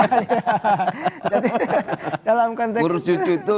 jadi dalam konteks itu